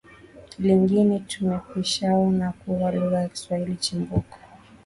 lingine Tumekwishaona kuwa lugha ya Kiswahili chimbuko